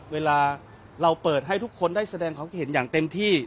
เวลาเราเปิดให้ทุกคนได้แสดงความคิดเห็นอย่างเต็มที่